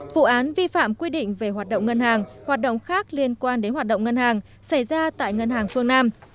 vụ án vi phạm quy định về hoạt động ngân hàng hoạt động khác liên quan đến hoạt động ngân hàng xảy ra tại ngân hàng phương nam